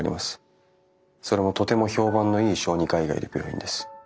それもとても評判のいい小児科医がいる病院です。